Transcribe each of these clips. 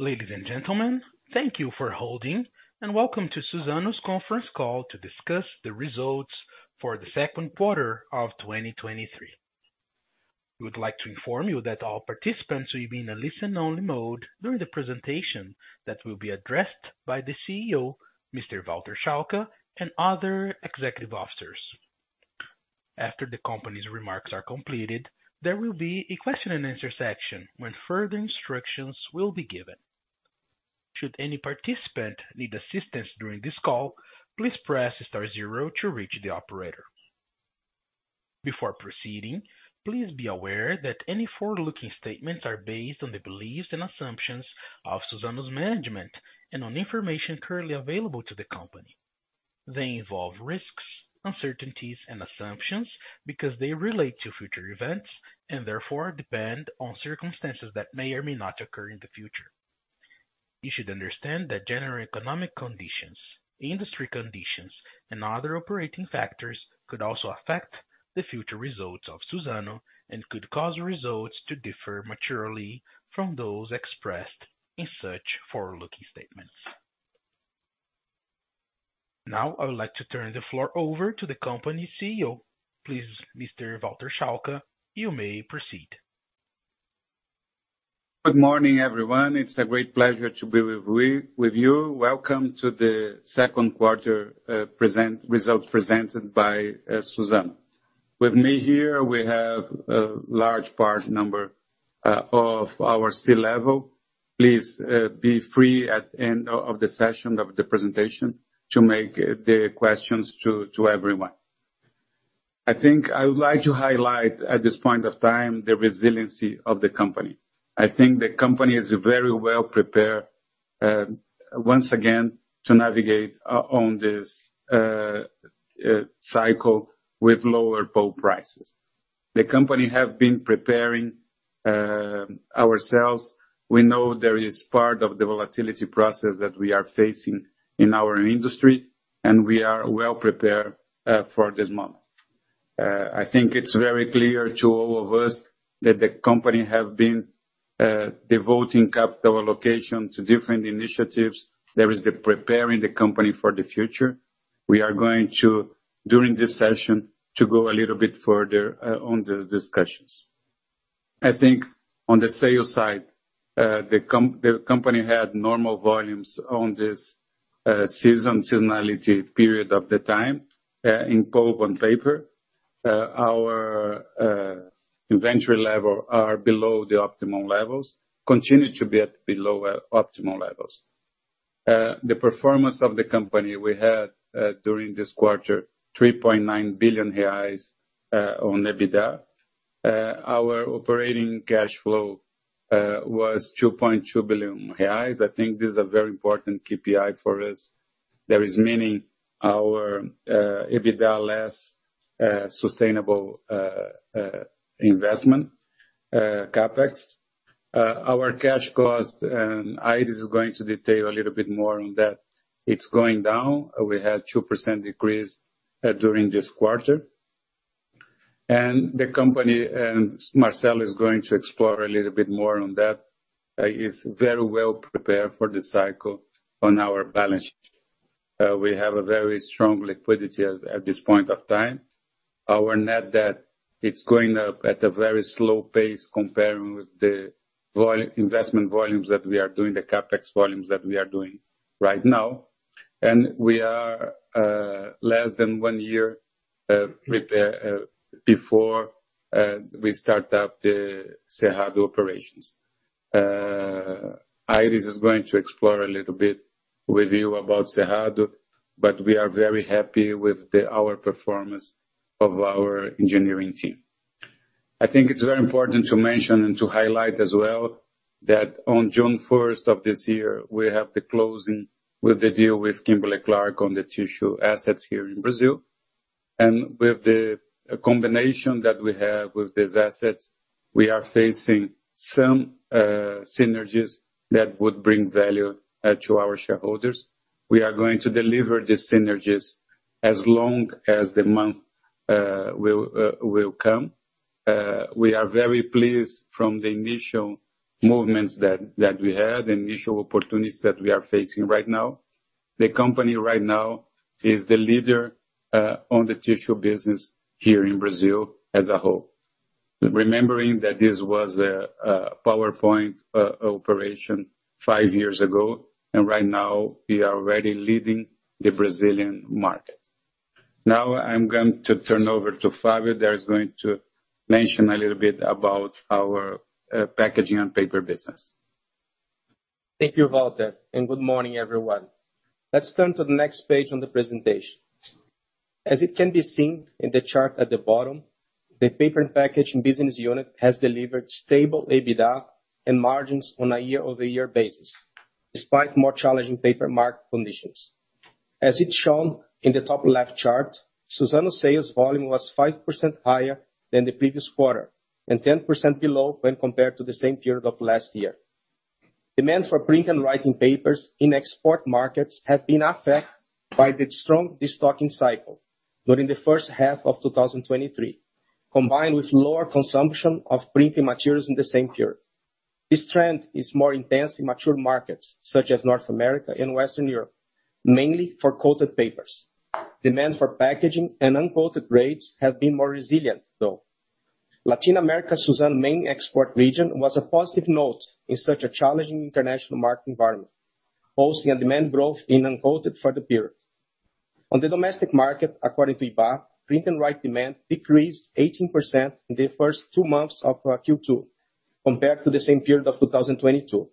Ladies and gentlemen, thank you for holding, welcome to Suzano's conference call to discuss the results for the second quarter of 2023. We would like to inform you that all participants will be in a listen-only mode during the presentation that will be addressed by the CEO, Mr. Walter Schalka, and other executive officers. After the company's remarks are completed, there will be a question and answer section, when further instructions will be given. Should any participant need assistance during this call, please press star zero to reach the operator. Before proceeding, please be aware that any forward-looking statements are based on the beliefs and assumptions of Suzano's management and on information currently available to the company. They involve risks, uncertainties, and assumptions because they relate to future events, and therefore depend on circumstances that may or may not occur in the future. You should understand that general economic conditions, industry conditions, and other operating factors could also affect the future results of Suzano and could cause results to differ materially from those expressed in such forward-looking statements. Now, I would like to turn the floor over to the company's CEO. Please, Mr. Walter Schalka, you may proceed. Good morning, everyone. It's a great pleasure to be with you. Welcome to the second quarter results presented by Suzano. With me here, we have a large part number of our C-level. Please be free at the end of the session, of the presentation, to make the questions to everyone. I think I would like to highlight at this point of time, the resiliency of the company. I think the company is very well prepared, once again, to navigate on this cycle with lower pulp prices. The company have been preparing ourselves. We know there is part of the volatility process that we are facing in our industry, and we are well prepared for this month. I think it's very clear to all of us that the company have been devoting capital allocation to different initiatives. There is the preparing the company for the future. We are going to, during this session, to go a little bit further on these discussions. I think on the sales side, the company had normal volumes on this season, seasonality period of the time in Pulp and Paper. Our inventory level are below the optimal levels, continue to be at below optimal levels. The performance of the company, we had during this quarter, 3.9 billion reais on EBITDA. Our operating cash flow was 2.2 billion reais. I think this is a very important KPI for us. There is many our EBITDA less sustainable investment CapEx. Our cash cost, Aires is going to detail a little bit more on that. It's going down. We had 2% decrease during this quarter. The company, Marcel is going to explore a little bit more on that, is very well prepared for the cycle on our balance sheet. We have a very strong liquidity at this point of time. Our net debt, it's going up at a very slow pace comparing with the investment volumes that we are doing, the CapEx volumes that we are doing right now. We are less than one year prepare before we start up the Cerrado operations. Aires is going to explore a little bit with you about Cerrado, but we are very happy with our performance of our engineering team. I think it's very important to mention and to highlight as well, that on June first of this year, we have the closing with the deal with Kimberly-Clark on the Tissue assets here in Brazil. With the combination that we have with these assets, we are facing some synergies that would bring value to our shareholders. We are going to deliver the synergies as long as the month will come. We are very pleased from the initial movements that we had, the initial opportunities that we are facing right now. The company right now is the leader on the Tissue business here in Brazil as a whole. Remembering that this was a PowerPoint operation five years ago, and right now we are already leading the Brazilian market. Now, I'm going to turn over to Fabio, that is going to mention a little bit about our Packaging and Paper business. Thank you, Walter, and good morning, everyone. Let's turn to the next page on the presentation. As it can be seen in the chart at the bottom, the Paper and Packaging business unit has delivered stable EBITDA and margins on a year-over-year basis, despite more challenging paper market conditions. As it's shown in the top left chart, Suzano's sales volume was 5% higher than the previous quarter, and 10% below when compared to the same period of last year. Demand for print and writing papers in export markets have been affected by the strong destocking cycle during the first half of 2023 combined with lower consumption of printing materials in the same period. This trend is more intense in mature markets, such as North America and Western Europe, mainly for coated papers. Demand for Packaging and uncoated grades have been more resilient, though. Latin America, Suzano's main export region, was a positive note in such a challenging international market environment, hosting a demand growth in uncoated for the period. On the domestic market, according to Ibá, print and write demand decreased 18% in the first two months of Q2, compared to the same period of 2022.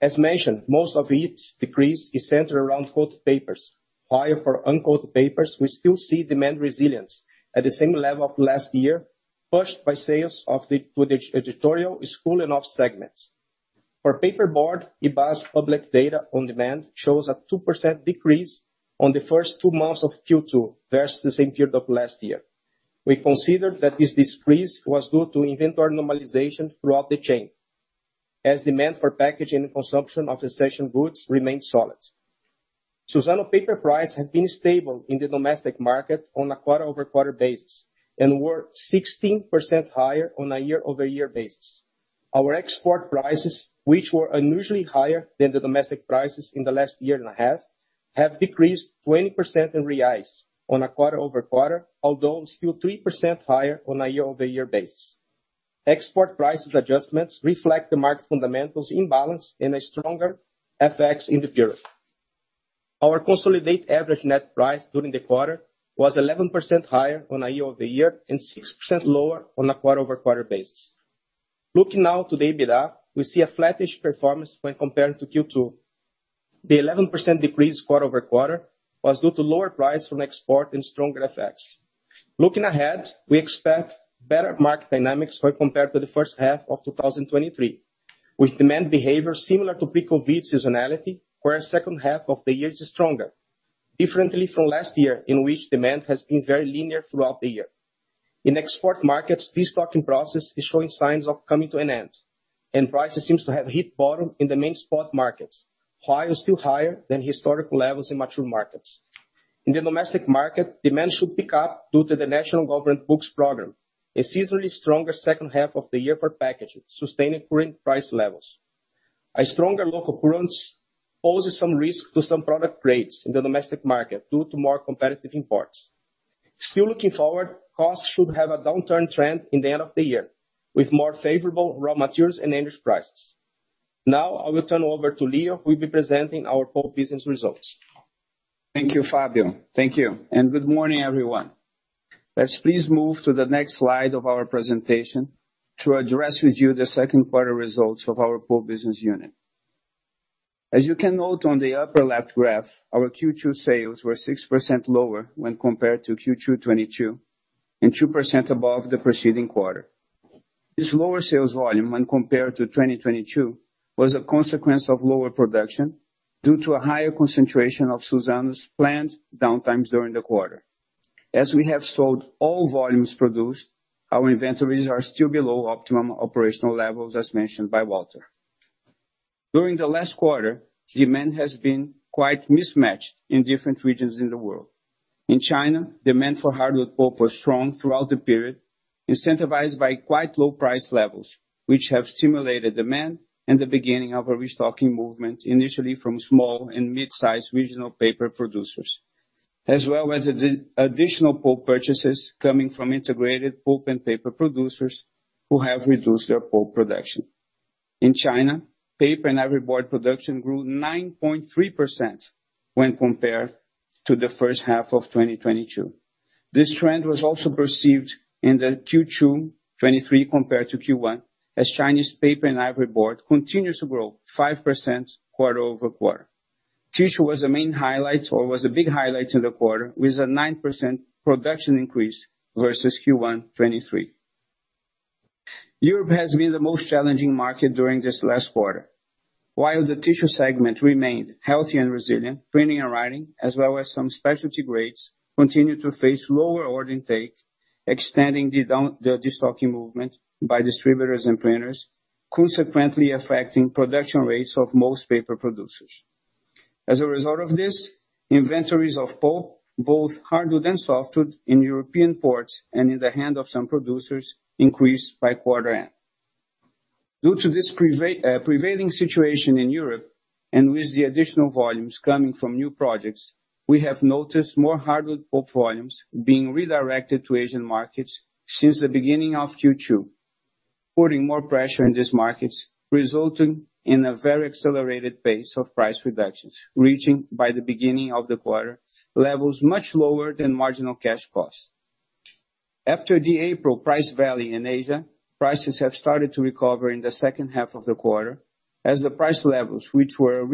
As mentioned, most of each decrease is centered around coated papers. While for uncoated papers, we still see demand resilience at the same level of last year, pushed by sales to the editorial school and off segments. For Paperboard, Ibá's public data on demand shows a 2% decrease on the first two months of Q2 versus the same period of last year. We considered that this decrease was due to inventory normalization throughout the chain, as demand for Packaging and consumption of recession goods remained solid. Suzano paper price have been stable in the domestic market on a quarter-over-quarter basis, were 16% higher on a year-over-year basis. Our export prices, which were unusually higher than the domestic prices in the last year and a half, have decreased 20% in BRL on a quarter-over-quarter, although still 3% higher on a year-over-year basis. Export prices adjustments reflect the market fundamentals imbalance and a stronger FX in the period. Our consolidated average net price during the quarter was 11% higher on a year-over-year, 6% lower on a quarter-over-quarter basis. Looking now to the EBITDA, we see a flattish performance when compared to Q2. The 11% decrease quarter-over-quarter was due to lower price from export and stronger effects. Looking ahead, we expect better market dynamics when compared to the first half of 2023, with demand behavior similar to pre-COVID seasonality, where second half of the year is stronger. Differently from last year, in which demand has been very linear throughout the year. In export markets, this stocking process is showing signs of coming to an end, and prices seems to have hit bottom in the main spot markets, while still higher than historical levels in mature markets. In the domestic market, demand should pick up due to the national government books program, a seasonally stronger second half of the year for Packaging, sustaining current price levels. A stronger local currency poses some risk to some product grades in the domestic market due to more competitive imports. Still looking forward, costs should have a downturn trend in the end of the year, with more favorable raw materials and energy prices. Now, I will turn over to Leo, who will be presenting our Pulp business results. Thank you, Fabio. Thank you, good morning, everyone. Let's please move to the next slide of our presentation to address with you the second quarter results of our Pulp business unit. As you can note on the upper left graph, our Q2 sales were 6% lower when compared to Q2 2022, and 2% above the preceding quarter. This lower sales volume, when compared to 2022, was a consequence of lower production due to a higher concentration of Suzano's planned downtimes during the quarter. As we have sold all volumes produced, our inventories are still below optimum operational levels, as mentioned by Walter. During the last quarter, demand has been quite mismatched in different regions in the world. In China, demand for hardwood pulp was strong throughout the period, incentivized by quite low price levels, which have stimulated demand and the beginning of a restocking movement, initially from small and mid-sized regional paper producers, as well as additional pulp purchases coming from integrated pulp and paper producers who have reduced their pulp production. In China, paper and ivory board production grew 9.3% when compared to the first half of 2022. This trend was also perceived in the Q2 2023 compared to Q1, as Chinese paper and ivory board continues to grow 5% quarter-over-quarter. Tissue was the main highlight or was a big highlight in the quarter, with a 9% production increase versus Q1 2023. Europe has been the most challenging market during this last quarter. While the Tissue segment remained healthy and resilient, printing and writing, as well as some specialty grades, continued to face lower order intake, extending the destocking movement by distributors and planners, consequently affecting production rates of most paper producers. As a result of this, inventories of Pulp, both hardwood and softwood, in European ports and in the hand of some producers, increased by quarter end. Due to this prevailing situation in Europe, and with the additional volumes coming from new projects, we have noticed more hardwood pulp volumes being redirected to Asian markets since the beginning of Q2, putting more pressure in these markets, resulting in a very accelerated pace of price reductions, reaching, by the beginning of the quarter, levels much lower than marginal cash costs. After the April price valley in Asia, prices have started to recover in the second half of the quarter, as the price levels, which were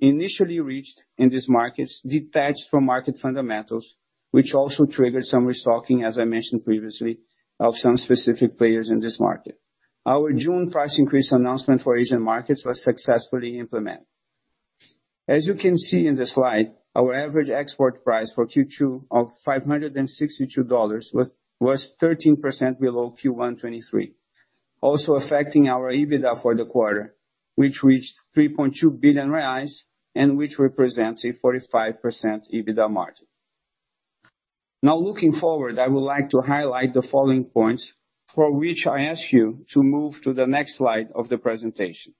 initially reached in these markets, detached from market fundamentals, which also triggered some restocking, as I mentioned previously, of some specific players in this market. Our June price increase announcement for Asian markets was successfully implemented. As you can see in the slide, our average export price for Q2 of $562 was 13% below Q1 2023, also affecting our EBITDA for the quarter, which reached 3.2 billion reais, and which represents a 45% EBITDA margin. Looking forward, I would like to highlight the following points, for which I ask you to move to the next slide of the presentation.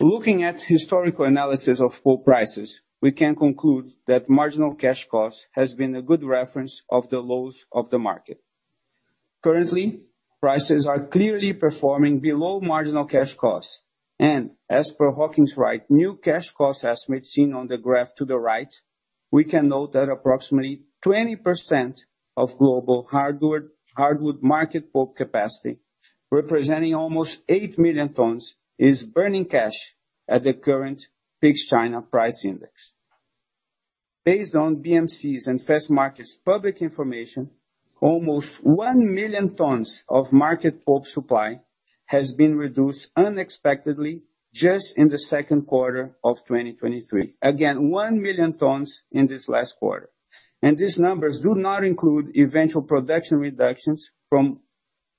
Looking at historical analysis of pulp prices, we can conclude that marginal cash costs has been a good reference of the lows of the market. Currently, prices are clearly performing below marginal cash costs, and as per Hawkins Wright, new cash cost estimates seen on the graph to the right, we can note that approximately 20% of global hardwood, hardwood market pulp capacity, representing almost 8 million tons, is burning cash at the current peak China price index. Based on BMA's and Fastmarkets public information, almost 1 million tons of market pulp supply has been reduced unexpectedly just in the second quarter of 2023. Again, 1 million tons in this last quarter. These numbers do not include eventual production reductions from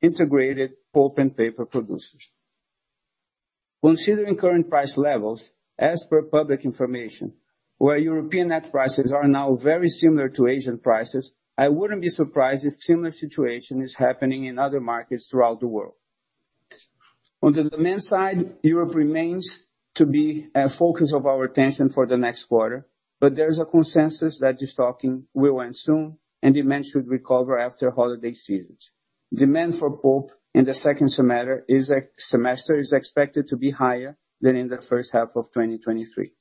integrated pulp and paper producers. Considering current price levels, as per public information, where European net prices are now very similar to Asian prices, I wouldn't be surprised if similar situation is happening in other markets throughout the world. On the demand side, Europe remains to be a focus of our attention for the next quarter, but there is a consensus that this talking will end soon, and demand should recover after holiday seasons. Demand for Pulp in the second semester is expected to be higher than in the first half of 2023.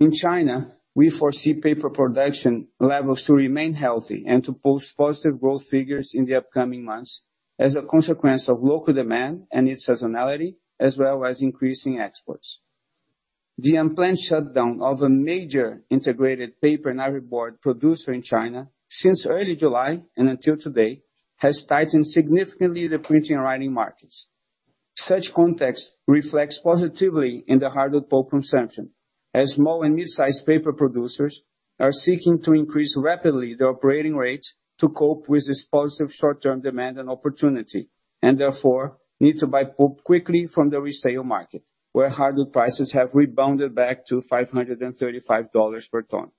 In China, we foresee Paper production levels to remain healthy and to post positive growth figures in the upcoming months as a consequence of local demand and its seasonality, as well as increasing exports. The unplanned shutdown of a major integrated paper and ivory board producer in China since early July, and until today, has tightened significantly the printing and writing markets. Such context reflects positively in the hardwood pulp consumption, as small and mid-sized paper producers are seeking to increase rapidly their operating rates to cope with this positive short-term demand and opportunity, and therefore need to buy pulp quickly from the resale market, where hardwood prices have rebounded back to $535 per ton.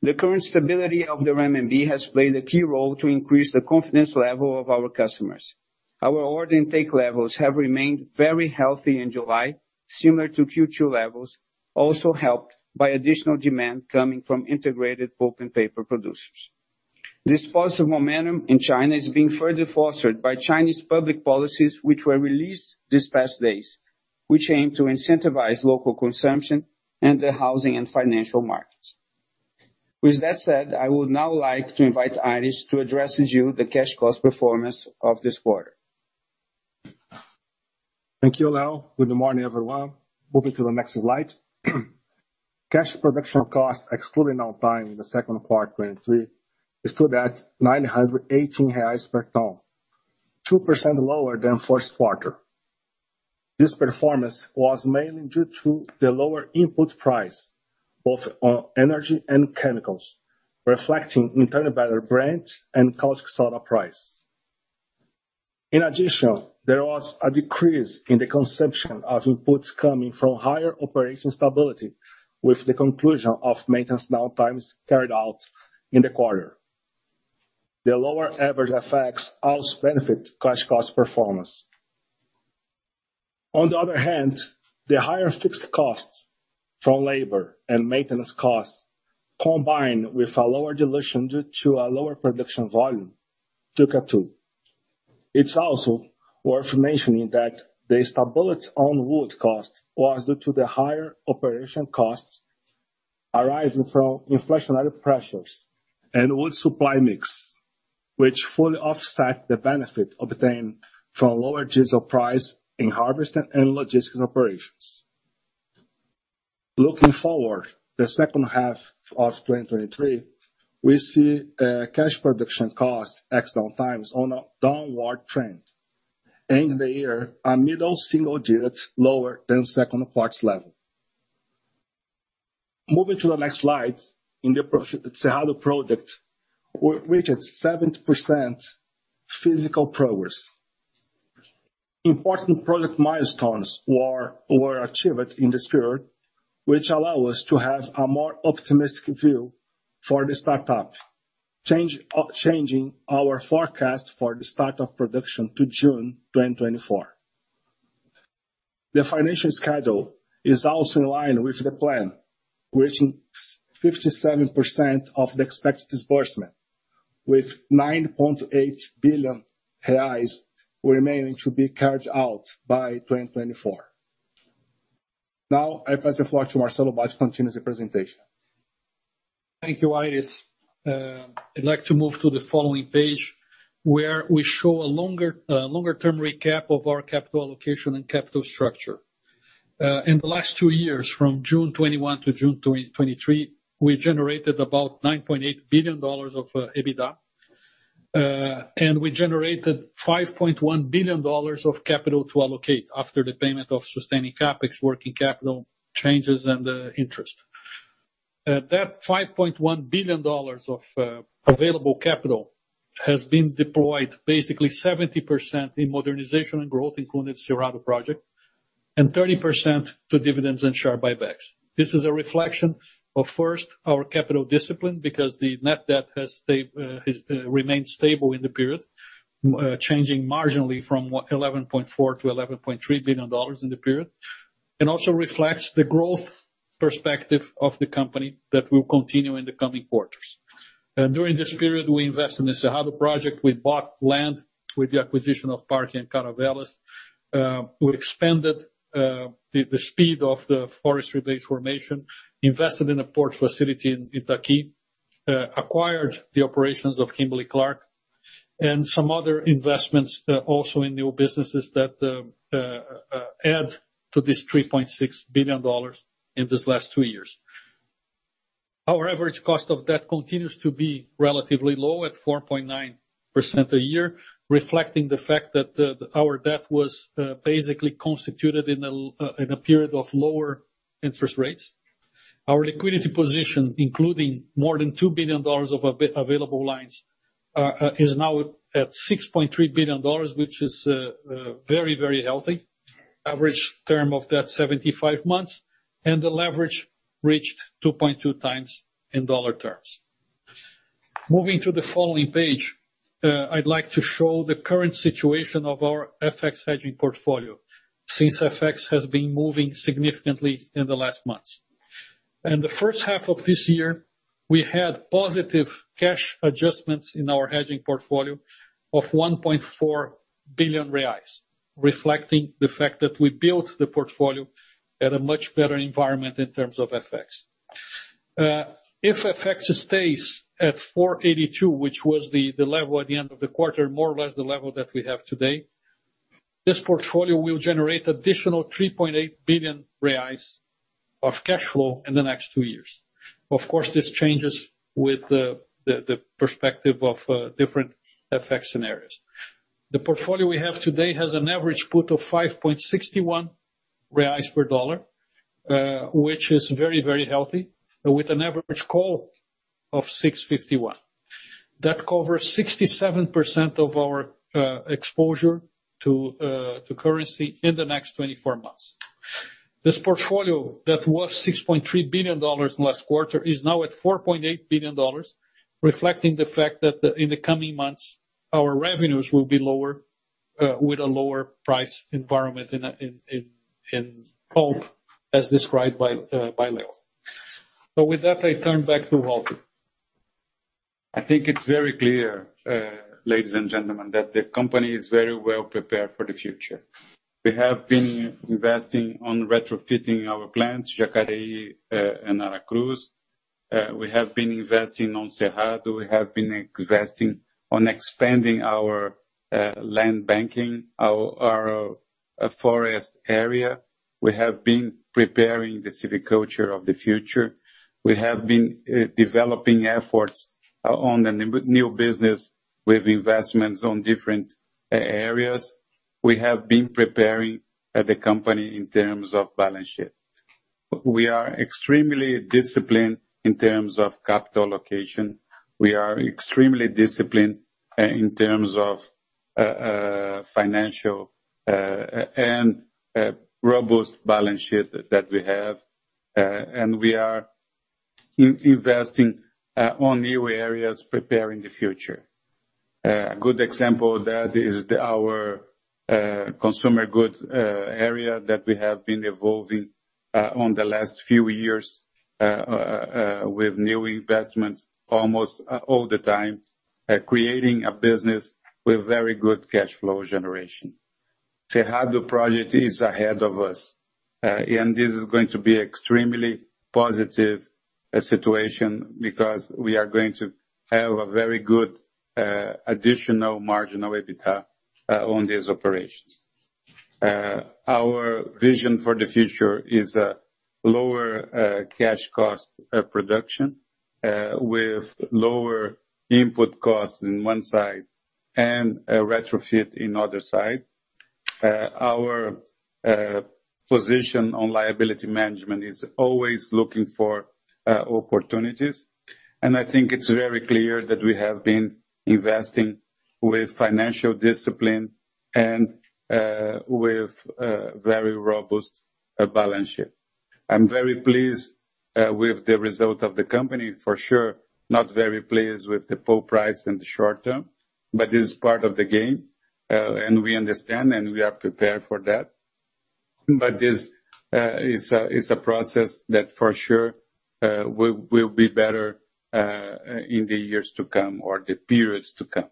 The current stability of the renminbi has played a key role to increase the confidence level of our customers. Our order intake levels have remained very healthy in July, similar to Q2 levels, also helped by additional demand coming from integrated pulp and paper producers. This positive momentum in China is being further fostered by Chinese public policies, which were released these past days, which aim to incentivize local consumption and the housing and financial markets. With that said, I would now like to invite Aires to address with you the cash cost performance of this quarter. Thank you, Leo. Good morning, everyone. Moving to the next slide. Cash production cost, excluding downtime in the second quarter, 2023, stood at 918 reais per ton, 2% lower than first quarter. This performance was mainly due to the lower input price, both on energy and chemicals, reflecting in turn better brands and cost soda price. In addition, there was a decrease in the consumption of inputs coming from higher operation stability, with the conclusion of maintenance downtimes carried out in the quarter. The lower average effects also benefit cash cost performance. On the other hand, the higher fixed costs from labor and maintenance costs, combined with a lower dilution due to a lower production volume, took a toll. It's also worth mentioning that the stability on wood cost was due to the higher operation costs arising from inflationary pressures and wood supply mix, which fully offset the benefit obtained from lower diesel price in harvest and logistical operations. Looking forward, the second half of 2023, we see cash production costs, ex downtimes, on a downward trend. End the year, a middle single digit lower than second quarter's level. Moving to the next slide, in the project, Cerrado project, we're reached 70% physical progress. Important project milestones were achieved in this period, which allow us to have a more optimistic view for the start up. Change, changing our forecast for the start of production to June 2024. The financial schedule is also in line with the plan, reaching 57% of the expected disbursement, with 9.8 billion reais remaining to be carried out by 2024. Now, I pass the floor to Marcelo Bacci to continue the presentation. Thank you, Aires. I'd like to move to the following page, where we show a longer, longer term recap of our capital allocation and capital structure. In the last two years, from June 2021 to June 2023, we generated about $9.8 billion of EBITDA. We generated $5.1 billion of capital to allocate after the payment of sustaining CapEx, working capital changes, and interest. That $5.1 billion of available capital has been deployed, basically 70% in modernization and growth, including Cerrado project, and 30% to dividends and share buybacks. This is a reflection of, first, our capital discipline, because the net debt has stayed, has remained stable in the period. Changing marginally from what, $11.4 billion-$11.3 billion in the period. It also reflects the growth perspective of the company that will continue in the coming quarters. During this period, we invest in the Cerrado project. We bought land with the acquisition of Pará and Caravelas. We expanded the speed of the forestry base formation, invested in a port facility in Itaqui, acquired the operations of Kimberly-Clark, and some other investments, also in new businesses that add to this $3.6 billion in these last two years. Our average cost of debt continues to be relatively low, at 4.9% a year, reflecting the fact that our debt was basically constituted in a period of lower interest rates. Our liquidity position, including more than $2 billion of available lines, is now at $6.3 billion, which is very, very healthy. Average term of that, 75 months, and the leverage reached 2.2x in dollar terms. Moving to the following page, I'd like to show the current situation of our FX hedging portfolio, since FX has been moving significantly in the last months. In the first half of this year, we had positive cash adjustments in our hedging portfolio of 1.4 billion reais, reflecting the fact that we built the portfolio at a much better environment in terms of FX. If FX stays at 4.82, which was the level at the end of the quarter, more or less the level that we have today, this portfolio will generate additional 3.8 billion reais of cash flow in the next two years. Of course, this changes with the perspective of different FX scenarios. The portfolio we have today has an average put of 5.61 reais per dollar, which is very, very healthy, with an average call of 6.51. That covers 67% of our exposure to currency in the next 24 months. This portfolio that was $6.3 billion in last quarter, is now at $4.8 billion, reflecting the fact that in the coming months, our revenues will be lower with a lower price environment in Pulp, as described by Leo. With that, I turn back to Walter. I think it's very clear, ladies and gentlemen, that the company is very well prepared for the future. We have been investing on retrofitting our plants, Jacareí and Aracruz. We have been investing on Cerrado. We have been investing on expanding our land banking, our forest area. We have been preparing the silviculture of the future. We have been developing efforts on the new business with investments on different areas. We have been preparing the company in terms of balance sheet. We are extremely disciplined in terms of capital allocation. We are extremely disciplined in terms of financial and robust balance sheet that we have. We are investing on new areas preparing the future. A good example of that is the, our, consumer goods, area that we have been evolving on the last few years, with new investments almost all the time, creating a business with very good cash flow generation. Cerrado Project is ahead of us, and this is going to be extremely positive situation, because we are going to have a very good additional marginal EBITDA on these operations. Our vision for the future is a lower cash cost production, with lower input costs in one side, and a retrofit in other side. Our position on liability management is always looking for opportunities, and I think it's very clear that we have been investing with financial discipline and with very robust balance sheet. I'm very pleased with the result of the company, for sure, not very pleased with the full price in the short term, but this is part of the game, and we understand, and we are prepared for that. This is a, is a process that for sure, will, will be better in the years to come or the periods to come.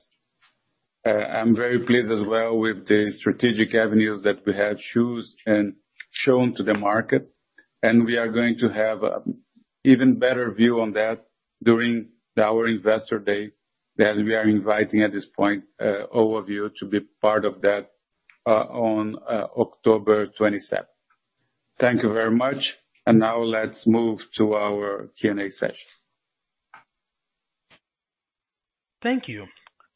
I'm very pleased as well with the strategic avenues that we have chose and shown to the market, and we are going to have a even better view on that during our Investor Day, that we are inviting at this point, all of you to be part of that, on October 22nd. Thank you very much. Now let's move to our Q&A session. Thank you.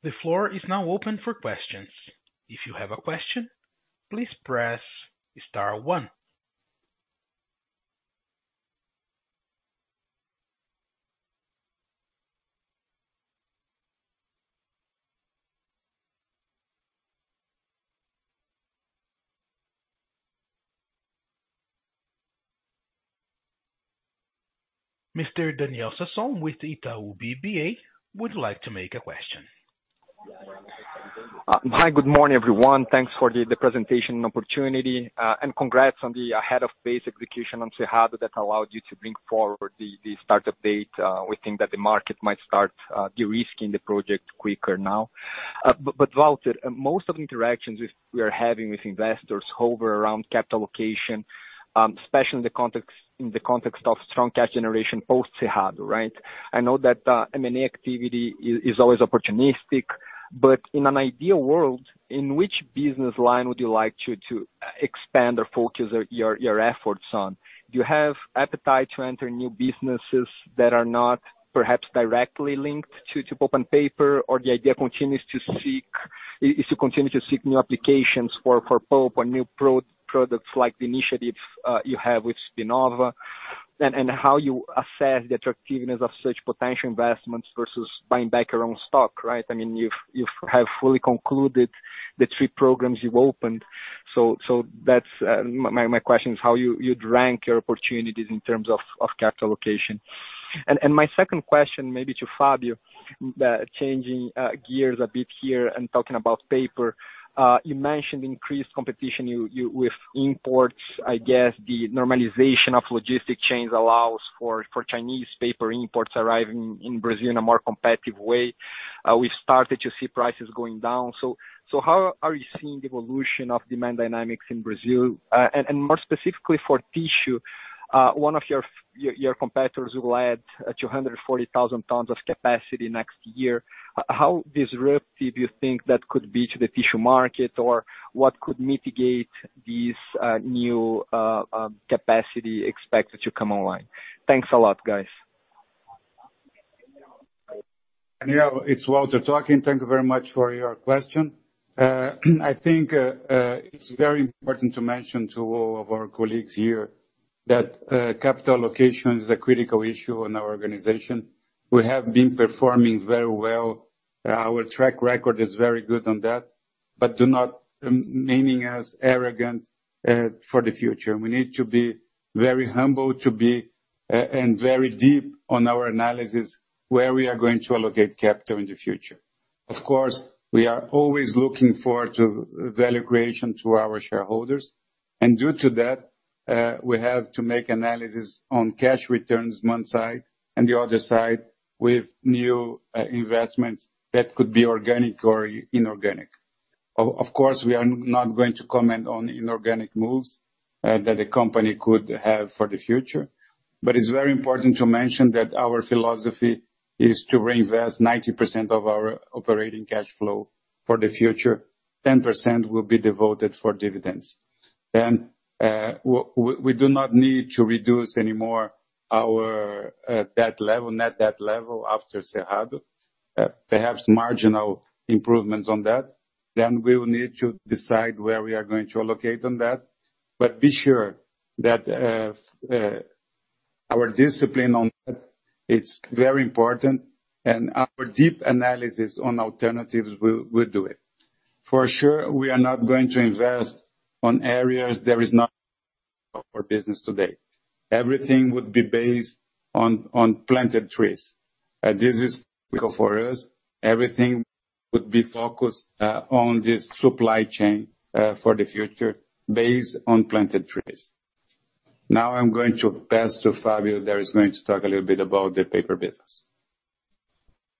The floor is now open for questions. If you have a question, please press star one. Mr. Daniel Sasson with the Itaú BBA, would like to make a question. Hi, good morning, everyone. Thanks for the presentation and opportunity. Congrats on the ahead of pace execution on Cerrado that allowed you to bring forward the start-up date. We think that the market might start de-risking the project quicker now. But Walter, most of the interactions with-- we are having with investors hover around capital allocation, especially in the context, in the context of strong cash generation post Cerrado, right? I know that M&A activity is always opportunistic, but in an ideal world, in which business line would you like to, to expand or focus your, your efforts on? Do you have appetite to enter new businesses that are not perhaps directly linked to Pulp and Paper, or the idea continues to seek, is to continue to seek new applications for Pulp or new products like the initiatives you have with Spinnova? How you assess the attractiveness of such potential investments versus buying back your own stock, right? I mean, you've have fully concluded the three programs you've opened. That's my question is how you'd rank your opportunities in terms of capital allocation. My second question, maybe to Fabio, the changing gears a bit here and talking about Paper. You mentioned increased competition you with imports. I guess the normalization of logistic chains allows for Chinese paper imports arriving in Brazil in a more competitive way. We've started to see prices going down, how are you seeing the evolution of demand dynamics in Brazil? More specifically for Tissue, one of your competitors will add 240,000 tons of capacity next year. How disruptive do you think that could be to the tissue market? What could mitigate these new capacity expected to come online? Thanks a lot, guys. Daniel, it's Walter talking. Thank you very much for your question. I think it's very important to mention to all of our colleagues here that capital allocation is a critical issue in our organization. We have been performing very well. Our track record is very good on that, but do not meaning as arrogant for the future. We need to be very humble, to be and very deep on our analysis, where we are going to allocate capital in the future. Of course, we are always looking forward to value creation to our shareholders, and due to that, we have to make analysis on cash returns one side, and the other side with new investments that could be organic or inorganic. Of course, we are not going to comment on inorganic moves that the company could have for the future, but it's very important to mention that our philosophy is to reinvest 90% of our operating cash flow for the future. 10% will be devoted for dividends. We do not need to reduce any more our debt level, net debt level after Cerrado. Perhaps marginal improvements on that, we will need to decide where we are going to allocate on that. Be sure that our discipline on that, it's very important, and our deep analysis on alternatives, we do it. For sure, we are not going to invest on areas there is not... for business today. Everything would be based on, on planted trees. This is critical for us. Everything would be focused on this supply chain for the future, based on planted trees. Now, I'm going to pass to Fabio, that is going to talk a little bit about the Paper business.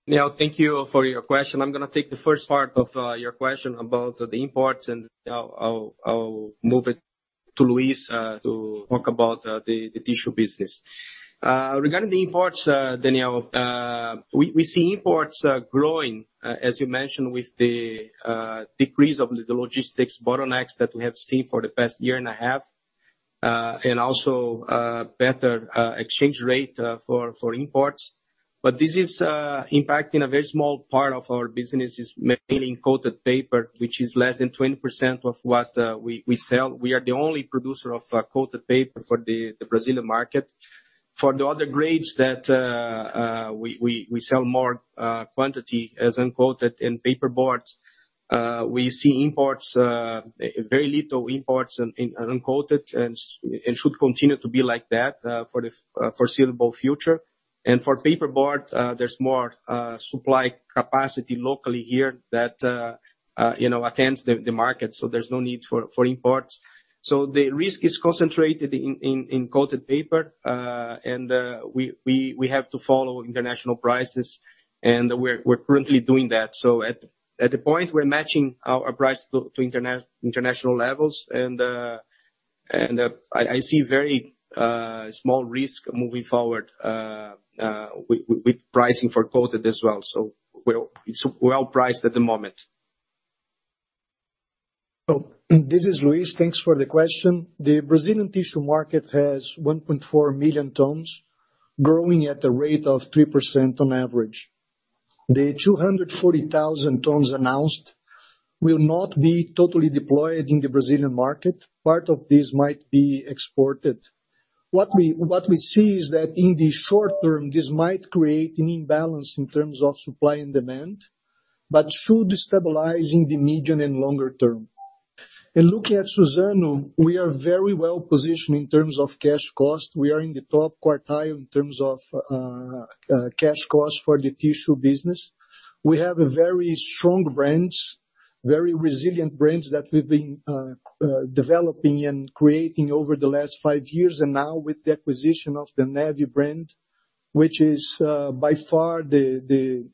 Yeah, thank you for your question. I'm gonna take the first part of your question about the imports, I'll, I'll, I'll move it to Luis to talk about the Tissue business. Regarding the imports, Daniel, we, we see imports growing as you mentioned, with the decrease of the logistics bottlenecks that we have seen for the past year and a half, and also better exchange rate for imports. This is impacting a very small part of our business is maintaining coated paper, which is less than 20% of what we, we sell. We are the only producer of coated paper for the Brazilian market. For the other grades that we, we, we sell more quantity as uncoated in Paperboards, we see imports, very little imports in uncoated and should continue to be like that for the foreseeable future. For Paperboard, there's more supply capacity locally here that, you know, attends the market, so there's no need for imports. The risk is concentrated in, in, in coated paper, and we, we, we have to follow international prices, and we're, we're currently doing that. At, at the point, we're matching our, our price to international levels, and I, I see very small risk moving forward with pricing for coated as well. It's well priced at the moment. Well, this is Luis. Thanks for the question. The Brazilian tissue market has 1.4 million tons, growing at a rate of 3% on average. The 240,000 tons announced will not be totally deployed in the Brazilian market. Part of this might be exported. What we, what we see is that in the short term, this might create an imbalance in terms of supply and demand, but should stabilize in the medium and longer term. In looking at Suzano, we are very well positioned in terms of cash cost. We are in the top quartile in terms of cash costs for the Tissue business. We have a very strong brands, very resilient brands that we've been developing and creating over the last five years, and now with the acquisition of the Neve brand, which is by far the, the,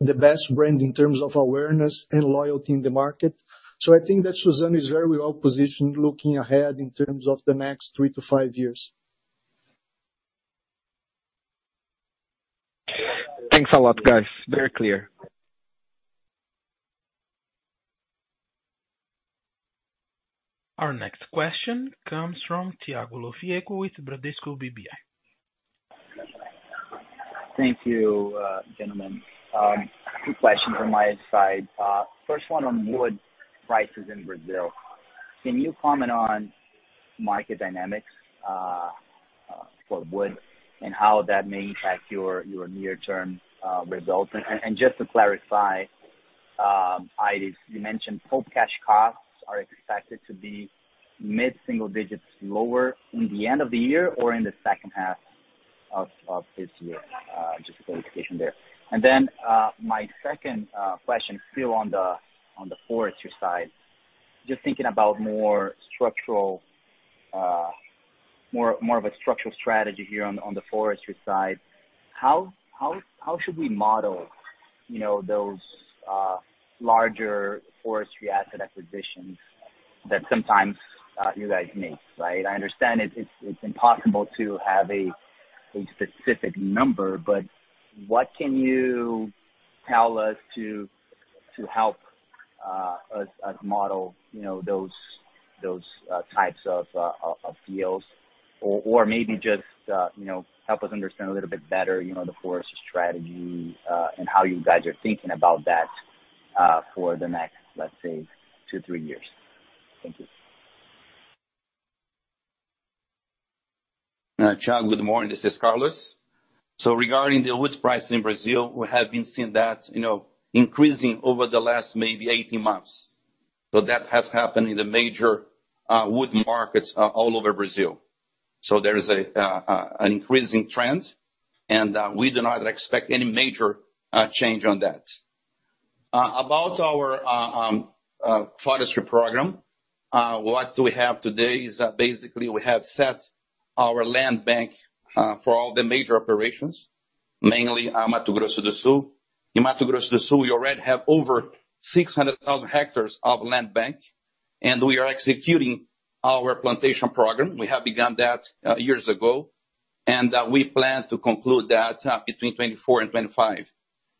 the best brand in terms of awareness and loyalty in the market. I think that Suzano is very well positioned looking ahead in terms of the next three to five years. Thanks a lot, guys. Very clear. Our next question comes from Thiago Lofiego with Bradesco BBI. Thank you, gentlemen. two questions on my side. First one on wood prices in Brazil. Can you comment on market dynamics for wood and how that may impact your near-term results? Just to clarify, you mentioned Pulp cash costs are expected to be mid-single digits, lower in the end of the year or in the second half of this year? Just a clarification there. My second question, still on the forestry side. Just thinking about more structural, more of a structural strategy here on the forestry side, how should we model, you know, those larger forestry asset acquisitions that sometimes you guys make, right? I understand it's, it's impossible to have a, a specific number, but what can you tell us to, to help us model, you know, those types of deals? Maybe just, you know, help us understand a little bit better, you know, the forest strategy, and how you guys are thinking about that for the next, let's say, two, three years. Thank you. Thiago, good morning, this is Carlos. Regarding the wood price in Brazil, we have been seeing that, you know, increasing over the last maybe 18 months. That has happened in the major wood markets all over Brazil. There is an increasing trend, and we do not expect any major change on that. About our forestry program, what we have today is that basically we have set our land bank for all the major operations, mainly Mato Grosso do Sul. In Mato Grosso do Sul, we already have over 600,000 hectares of land bank, and we are executing our plantation program. We have begun that years ago, and we plan to conclude that between 2024 and 2025.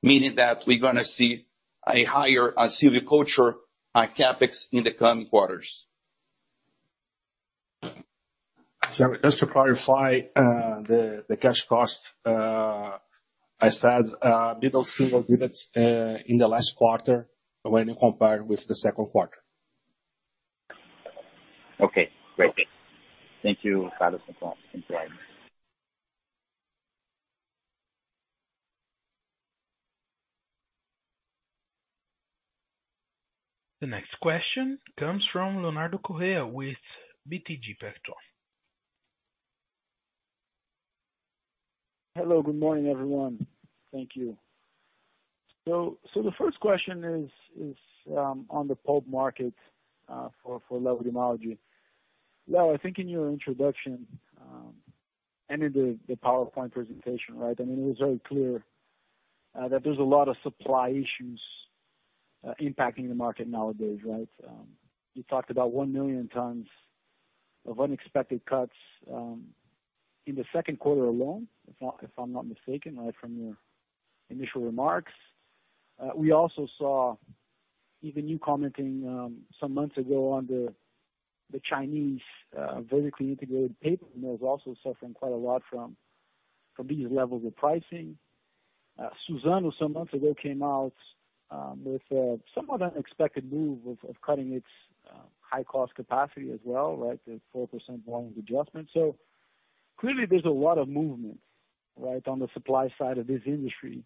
Meaning that we're gonna see a higher, silviculture, CapEx in the coming quarters. Just to clarify, the cash cost, I said, middle single digits, in the last quarter when you compare with the second quarter. Okay, great. Thank you, Carlos and Aires. Thank you. The next question comes from Leonardo Correa with BTG Pactual. Hello, good morning, everyone. Thank you. The first question is, is on the pulp market for Leonardo Grimaldi. Leo, I think in your introduction and in the PowerPoint presentation, right? I mean, it was very clear that there's a lot of supply issues impacting the market nowadays, right? You talked about 1 million tons of unexpected cuts in the second quarter alone, if I, if I'm not mistaken, right, from your initial remarks. We also saw even you commenting some months ago on the Chinese vertically integrated paper mills also suffering quite a lot from these levels of pricing. Suzano, some months ago, came out with somewhat unexpected move of cutting its high cost capacity as well, right, the 4% volume adjustment. Clearly, there's a lot of movement, right, on the supply side of this industry,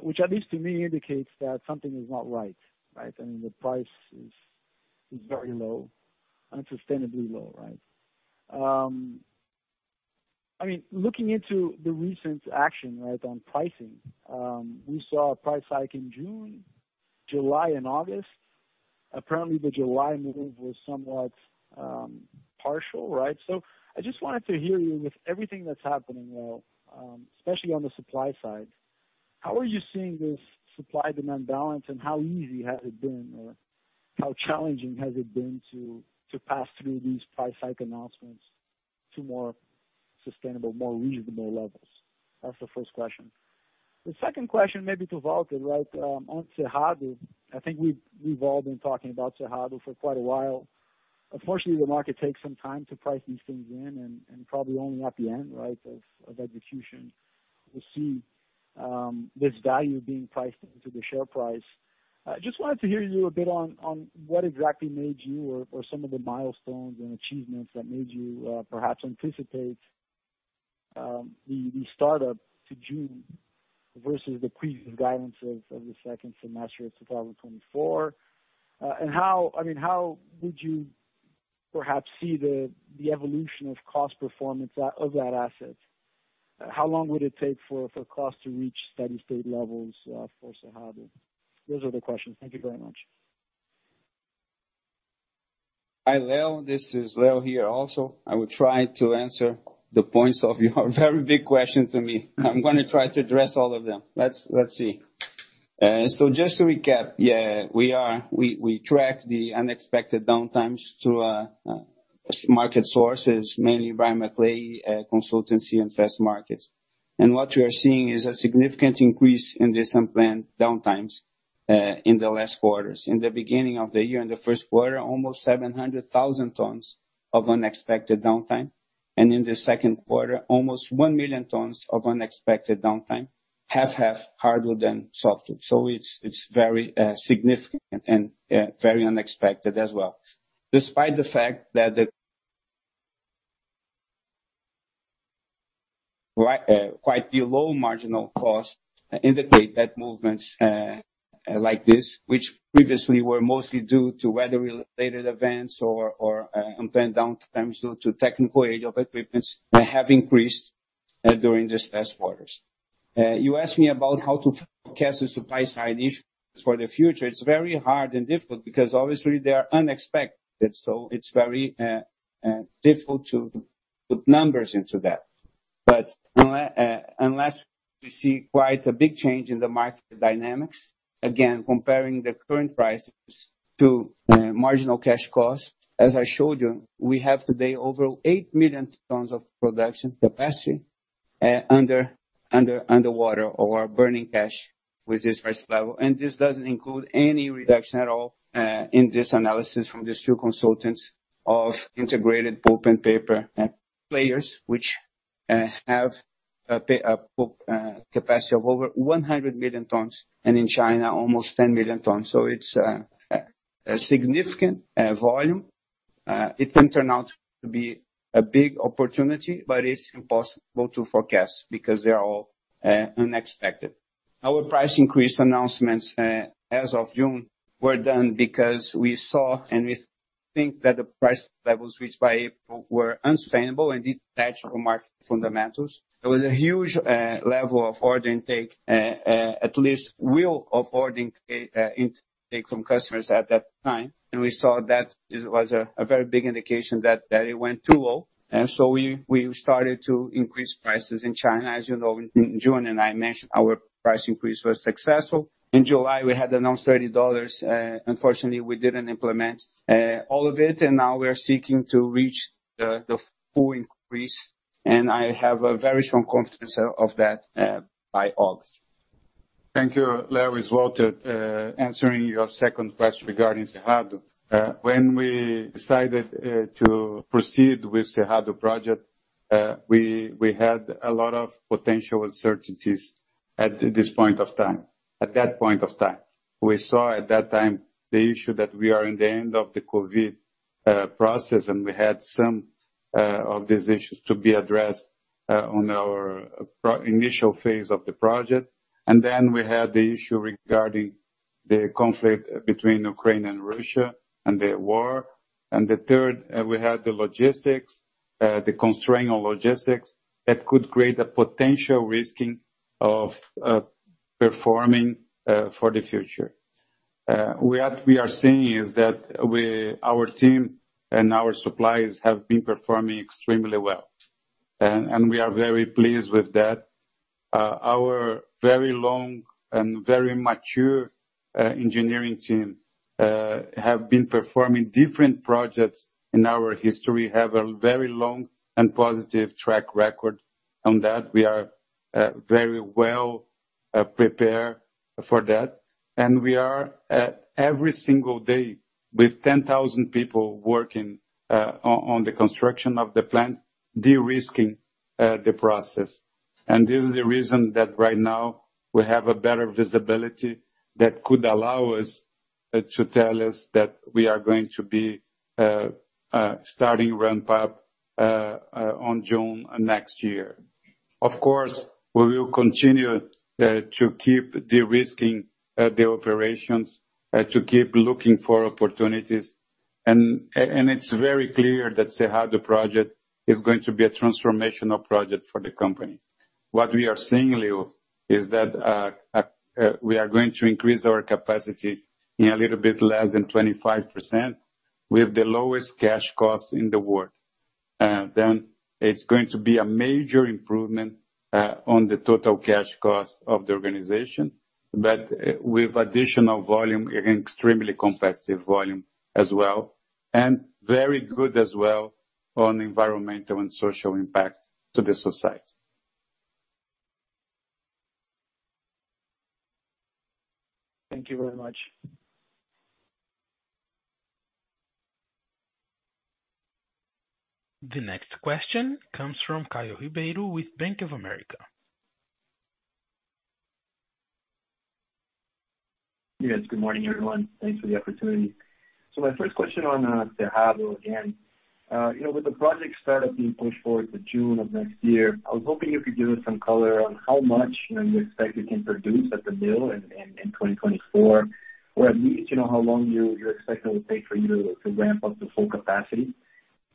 which at least to me, indicates that something is not right. Right? I mean, the price is, is very low, unsustainably low, right? I mean, looking into the recent action, right, on pricing, we saw a price hike in June, July and August. Apparently, the July move was somewhat partial, right? I just wanted to hear you with everything that's happening well, especially on the supply side, how are you seeing this supply-demand balance and how easy has it been, or how challenging has it been to, to pass through these price hike announcements to more sustainable, more reasonable levels? That's the first question. The second question may be to Walter, right? On Cerrado, I think we've, we've all been talking about Cerrado for quite a while. Unfortunately, the market takes some time to price these things in, and probably only at the end, right, of execution, we'll see this value being priced into the share price. I just wanted to hear you a bit on what exactly made you or some of the milestones and achievements that made you perhaps anticipate the startup to June versus the previous guidance of the second semester of 2024. I mean, how would you perhaps see the evolution of cost performance of that asset? How long would it take for cost to reach steady state levels for Cerrado? Those are the questions. Thank you very much. Hi, Leo, this is Leo here also. I will try to answer the points of your very big question to me. I'm gonna try to address all of them. Let's, let's see. Just to recap, yeah, we are, we tracked the unexpected downtimes through market sources, mainly by McClay consultancy and Fastmarkets. What we are seeing is a significant increase in this unplanned downtimes in the last quarters. In the beginning of the year, in the first quarter, almost 700,000 tons of unexpected downtime, and in the second quarter, almost 1 million tons of unexpected downtime, half, half, hardwood and softwood. It's, it's very significant and very unexpected as well. Despite the fact that the... Quite, quite the low marginal cost indicate that movements like this, which previously were mostly due to weather-related events or unplanned downtimes due to technical age of equipment, have increased during these last quarters. You asked me about how to forecast the supply side issues for the future. It's very hard and difficult because obviously they are unexpected, so it's very difficult to put numbers into that. Unless we see quite a big change in the market dynamics, again, comparing the current prices to marginal cash costs, as I showed you, we have today over 8 million tons of production capacity under, under, underwater or burning cash with this price level. This doesn't include any reduction at all in this analysis from these two consultants of integrated pulp and paper players, which have a capacity of over 100 million tons, and in China, almost 10 million tons. It's a significant volume. It can turn out to be a big opportunity, but it's impossible to forecast because they are all unexpected. Our price increase announcements, as of June, were done because we saw and we think that the price levels, which by April were unsustainable and detached from market fundamentals. There was a huge level of order intake, at least will of ordering from customers at that time. We saw that it was a very big indication that it went too well. We started to increase prices in China, as you know, in June, and I mentioned our price increase was successful. In July, we had announced $30, unfortunately, we didn't implement all of it, and now we are seeking to reach the full increase, and I have a very strong confidence of that by August. Thank you, Leo, as well to answering your second question regarding Cerrado. When we decided to proceed with Cerrado project, we had a lot of potential uncertainties at that point of time. We saw at that time the issue that we are in the end of the COVID process, and we had some of these issues to be addressed on our initial phase of the project. Then we had the issue regarding the conflict between Ukraine and Russia and the war. The third, we had the logistics, the constraining of logistics, that could create a potential risking of performing for the future. We are seeing is that we, our team and our suppliers have been performing extremely well, and we are very pleased with that. Our very long and very mature engineering team have been performing different projects in our history, have a very long and positive track record on that. We are very well prepared for that. We are every single day, with 10,000 people working on, on the construction of the plant, de-risking the process. This is the reason that right now we have a better visibility that could allow us to tell us that we are going to be starting ramp up on June next year. Of course, we will continue to keep de-risking the operations to keep looking for opportunities. It's very clear that Cerrado project is going to be a transformational project for the company. What we are seeing, Leo, is that we are going to increase our capacity in a little bit less than 25% with the lowest cash costs in the world. It's going to be a major improvement on the total cash cost of the organization, but with additional volume, extremely competitive volume as well, and very good as well, on environmental and social impact to the society. Thank you very much. The next question comes from Caio Ribeiro with Bank of America. Yes, good morning, everyone. Thanks for the opportunity. My first question on Cerrado again. you know, with the project start up being pushed forward to June of next year, I was hoping you could give us some color on how much, you know, you expect you can produce at the mill in, in, in 2024, or at least, you know, how long you, you're expecting it will take for you to, to ramp up to full capacity?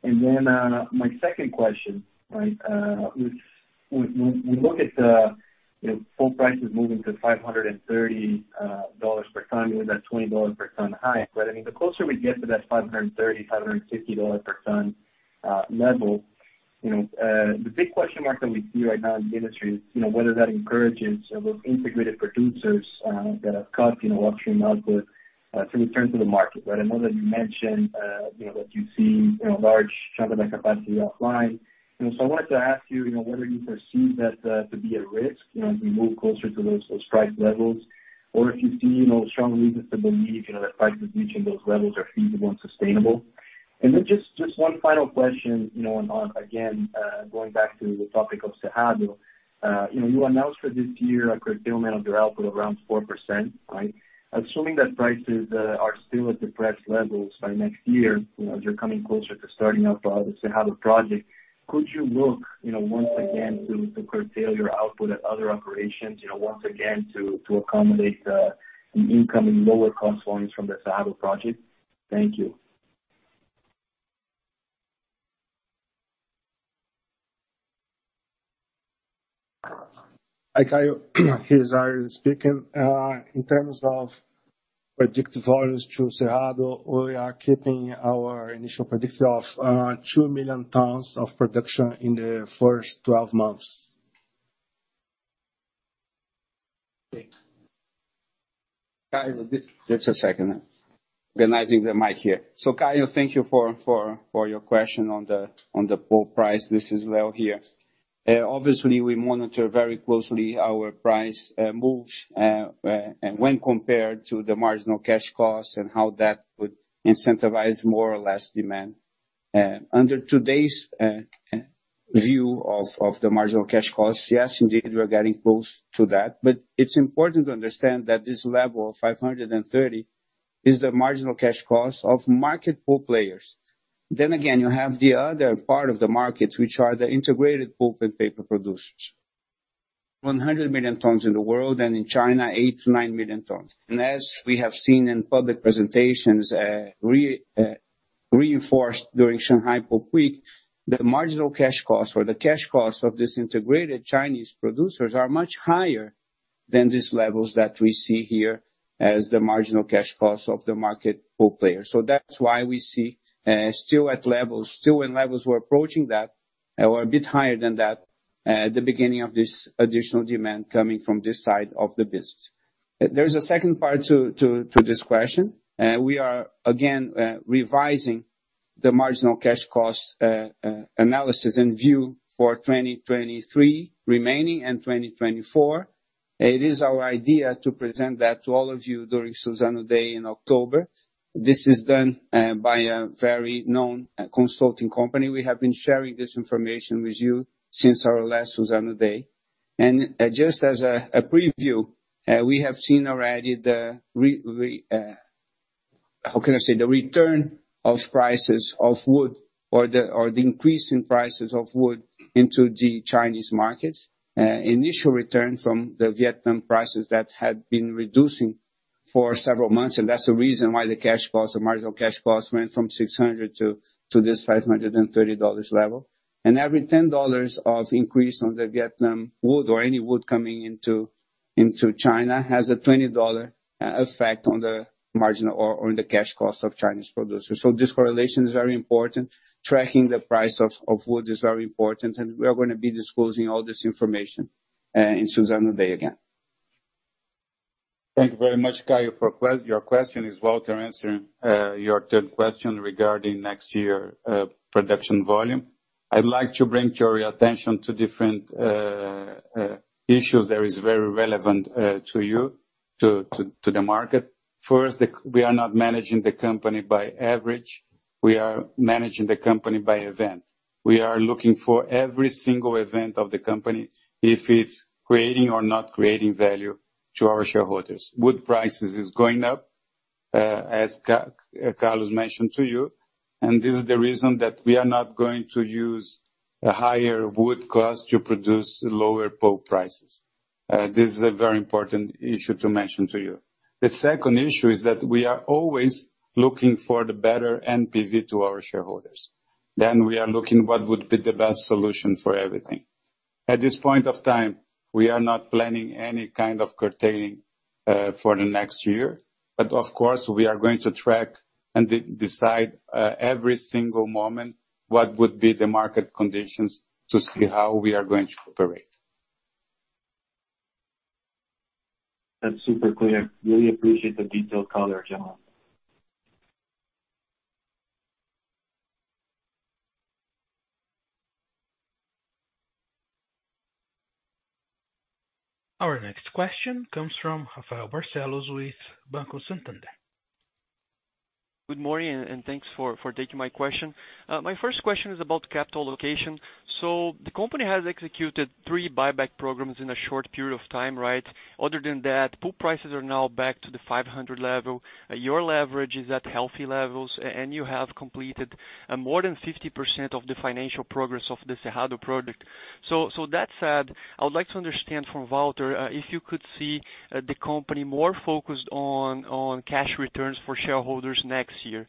Then, my second question, right, which when, when, we look at the, you know, full prices moving to $530 per ton, with that $20 per ton high. I mean, the closer we get to that $530-$550 per ton level, you know, the big question mark that we see right now in the industry is, you know, whether that encourages those integrated producers that have cut, you know, upstream output to return to the market. I know that you mentioned, you know, that you've seen, you know, a large chunk of that capacity offline. You know, so I wanted to ask you, you know, whether you perceive that to be at risk, you know, as we move closer to those, those price levels, or if you see, you know, strong reasons to believe, you know, that prices reaching those levels are feasible and sustainable? Just, just one final question, you know, and again, going back to the topic of Cerrado. You know, you announced for this year a curtailment of your output around 4%, right? Assuming that prices are still at depressed levels by next year, you know, as you're coming closer to starting up the Cerrado project, could you look, you know, once again, to, to curtail your output at other operations, you know, once again, to, to accommodate the incoming lower cost volumes from the Cerrado project? Thank you. Hi, Caio. Here's Ariel speaking. In terms of predicted volumes to Cerrado, we are keeping our initial predictor of 2 million tons of production in the first 12 months. Thank you. Caio, just a second. Organizing the mic here. Caio, thank you for your question on the pulp price. This is Leo here. Obviously, we monitor very closely our price moves and when compared to the marginal cash costs and how that would incentivize more or less demand. Under today's view of the marginal cash costs, yes, indeed, we are getting close to that. It's important to understand that this level of $530 is the marginal cash cost of market pulp players. Again, you have the other part of the market, which are the integrated pulp and paper producers. 100 million tons in the world, and in China, 8 million-9 million tons. As we have seen in public presentations, reinforced during Shanghai Pulp Week, the marginal cash costs or the cash costs of these integrated Chinese producers are much higher than these levels that we see here as the marginal cash costs of the market pulp players. That's why we see still at levels, we're approaching that, or a bit higher than that, at the beginning of this additional demand coming from this side of the business. There's a second part to this question. We are again revising the marginal cash cost analysis and view for 2023 remaining and 2024. It is our idea to present that to all of you during Suzano Day in October. This is done by a very known consulting company. We have been sharing this information with you since our last Suzano Day. Just as a, a preview, we have seen already the re, re, uh... How can I say? The return of prices of wood or the, or the increase in prices of wood into the Chinese markets. Initial return from the Vietnam prices that had been reducing for several months, and that's the reason why the cash costs, the marginal cash costs went from $600 to this $530 level. Every $10 of increase on the Vietnam wood or any wood coming into, into China, has a $20 effect on the marginal or, or the cash cost of Chinese producers. This correlation is very important. Tracking the price of, of wood is very important, we are gonna be disclosing all this information in Suzano Day again. Thank you very much, Caio, for your question. As well to answer your third question regarding next year production volume. I'd like to bring to your attention to different issues that is very relevant to you, to the market. First, we are not managing the company by average, we are managing the company by event. We are looking for every single event of the company, if it's creating or not creating value to our shareholders. Wood prices is going up, as Carlos mentioned to you, and this is the reason that we are not going to use a higher wood cost to produce lower pulp prices. This is a very important issue to mention to you. The second issue is that we are always looking for the better NPV to our shareholders. We are looking what would be the best solution for everything. At this point of time, we are not planning any kind of curtailing for the next year, but of course, we are going to track and decide every single moment what would be the market conditions to see how we are going to operate. That's super clear. Really appreciate the detailed color, gentlemen. Our next question comes from Rafael Barcellos with Banco Santander. Good morning, and thanks for taking my question. My first question is about capital allocation. The company has executed three buyback programs in a short period of time, right? Other than that, pulp prices are now back to the $500 level, your leverage is at healthy levels, and you have completed more than 50% of the financial progress of the Cerrado project. That said, I would like to understand from Walter, if you could see the company more focused on cash returns for shareholders next year.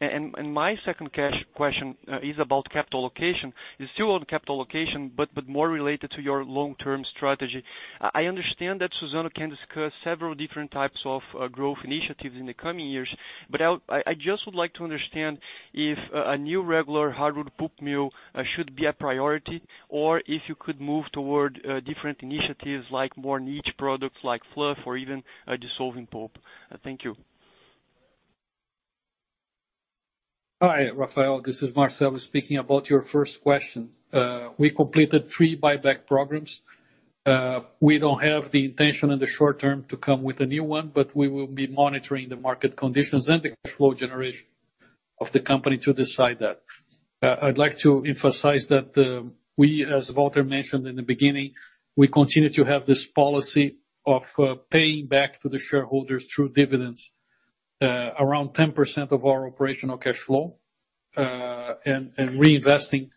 My second cash question is about capital allocation, is still on capital allocation, but more related to your long-term strategy. I understand that Suzano can discuss several different types of growth initiatives in the coming years, but I just would like to understand if a new regular hardwood pulp mill should be a priority, or if you could move toward different initiatives, like more niche products like fluff or even a dissolving pulp. Thank you. Hi, Rafael, this is Marcelo speaking about your first question. We completed three buyback programs. We don't have the intention in the short term to come with a new one, but we will be monitoring the market conditions and the cash flow generation of the company to decide that. I'd like to emphasize that, we, as Walter mentioned in the beginning, we continue to have this policy of paying back to the shareholders through dividends, around 10% of our operational cash flow, and, and reinvesting,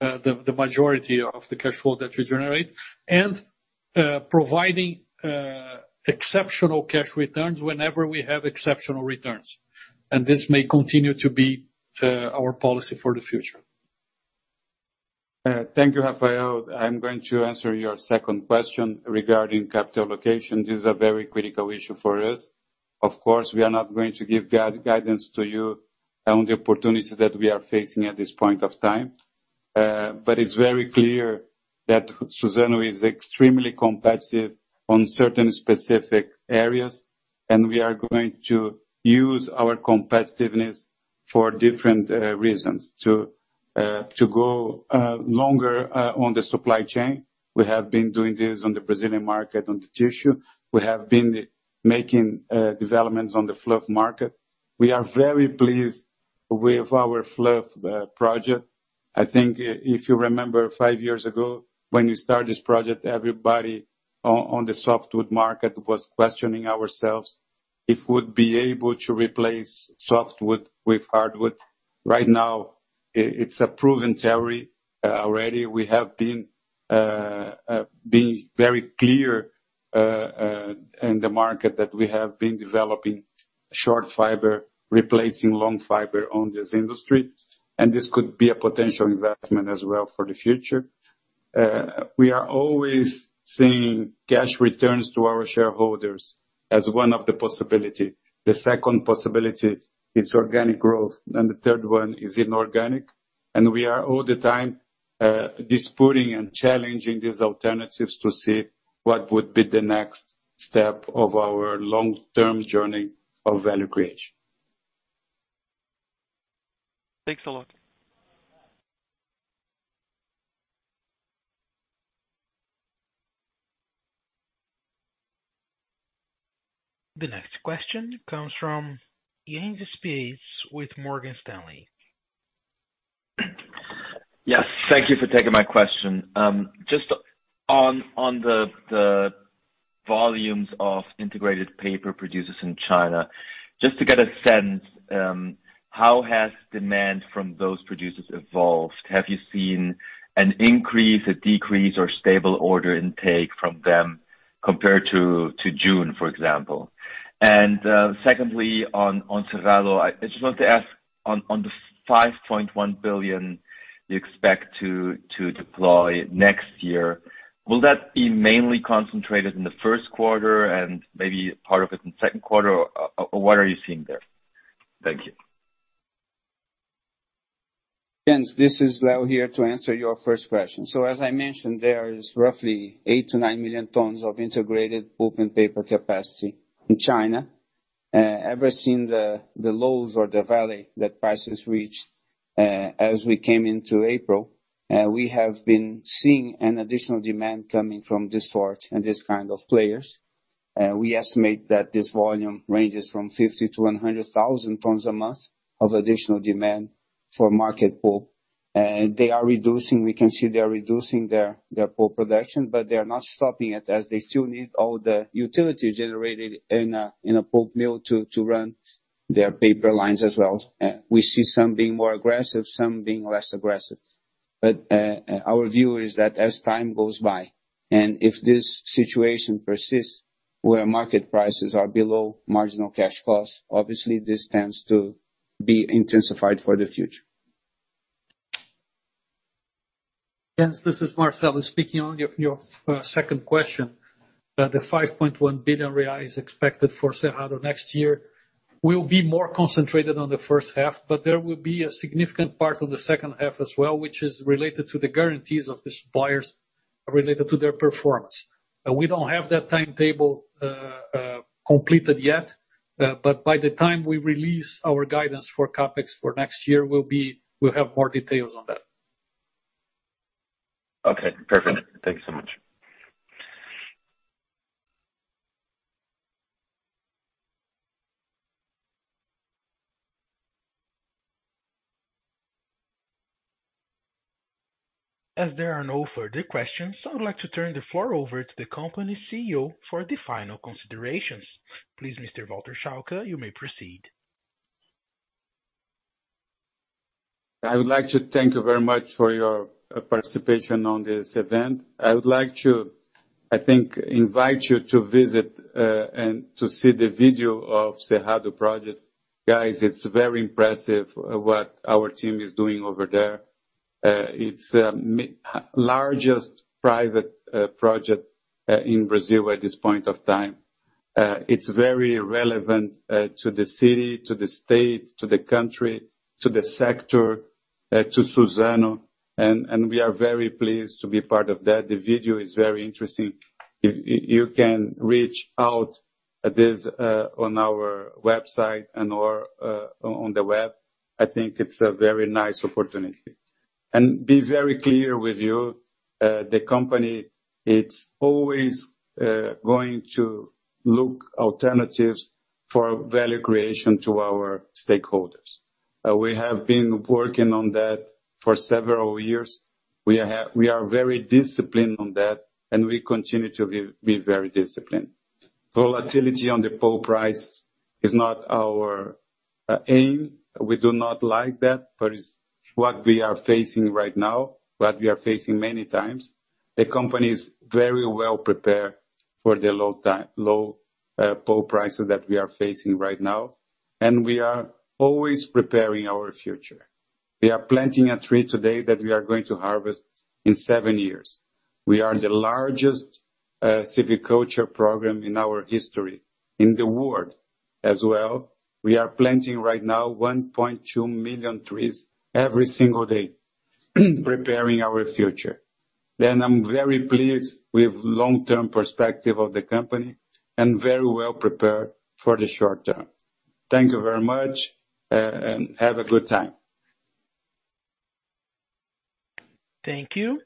the, the majority of the cash flow that we generate. And, providing, exceptional cash returns whenever we have exceptional returns, and this may continue to be, our policy for the future. Thank you, Rafael. I'm going to answer your second question regarding capital allocation. This is a very critical issue for us. Of course, we are not going to give guidance to you on the opportunity that we are facing at this point of time, but it's very clear that Suzano is extremely competitive on certain specific areas, and we are going to use our competitiveness for different reasons. To go longer on the supply chain, we have been doing this on the Brazilian market, on the tissue. We have been making developments on the fluff market. We are very pleased with our fluff project. I think if you remember, five years ago, when we start this project, everybody on the softwood market was questioning ourselves if we'd be able to replace softwood with hardwood. Right now, it's a proven theory. Already we have been being very clear in the market that we have been developing short fiber, replacing long fiber on this industry, and this could be a potential investment as well for the future. We are always seeing cash returns to our shareholders as one of the possibility. The second possibility is organic growth, and the third one is inorganic. We are all the time disputing and challenging these alternatives to see what would be the next step of our long-term journey of value creation. Thanks a lot. The next question comes from Jens Spiess with Morgan Stanley. Yes, thank you for taking my question. Just on the volumes of integrated paper producers in China, just to get a sense, how has demand from those producers evolved? Have you seen an increase, a decrease, or stable order intake from them compared to June, for example? Secondly, on Cerrado, I just wanted to ask on the $5.1 billion you expect to deploy next year, will that be mainly concentrated in the first quarter and maybe part of it in the second quarter, or what are you seeing there? Thank you. Jens, this is Leo here to answer your first question. As I mentioned, there is roughly 8 million-9 million tons of integrated pulp and paper capacity in China. Ever since the lows or the valley that prices reached, as we came into April, we have been seeing an additional demand coming from this source and this kind of players. We estimate that this volume ranges from 50,000-100,000 tons a month of additional demand for market pulp. They are reducing, we can see they are reducing their, their pulp production, but they are not stopping it, as they still need all the utilities generated in a pulp mill to run their paper lines as well. We see some being more aggressive, some being less aggressive. Our view is that as time goes by, and if this situation persists, where market prices are below marginal cash costs, obviously this tends to be intensified for the future. Jens, this is Marcelo speaking. On your, your second question, the 5.1 billion is expected for Cerrado next year. ... will be more concentrated on the first half, but there will be a significant part of the second half as well, which is related to the guarantees of the suppliers related to their performance. We don't have that timetable completed yet, but by the time we release our guidance for CapEx for next year, we'll have more details on that. Okay, perfect. Thank you so much. As there are no further questions, I would like to turn the floor over to the company's CEO for the final considerations. Please, Mr. Walter Schalka, you may proceed. I would like to thank you very much for your participation on this event. I would like to, I think, invite you to visit and to see the video of Cerrado project. Guys, it's very impressive what our team is doing over there. It's largest private project in Brazil at this point of time. It's very relevant to the city, to the state, to the country, to the sector, to Suzano, and, and we are very pleased to be part of that. The video is very interesting. You, you can reach out this on our website and or on the web. I think it's a very nice opportunity. Be very clear with you, the company, it's always going to look alternatives for value creation to our stakeholders. We have been working on that for several years. We are very disciplined on that, and we continue to be very disciplined. Volatility on the pulp price is not our aim. We do not like that, but it's what we are facing right now, what we are facing many times. The company is very well prepared for the low time, low pulp prices that we are facing right now, and we are always preparing our future. We are planting a tree today that we are going to harvest in seven years. We are the largest silviculture program in our history, in the world as well. We are planting right now 1.2 million trees every single day, preparing our future. I'm very pleased with long-term perspective of the company and very well prepared for the short term. Thank you very much, and have a good time. Thank you.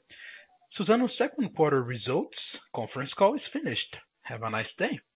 Suzano's second quarter results conference call is finished. Have a nice day.